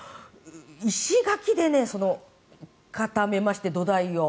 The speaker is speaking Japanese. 石垣で固めまして、土台を。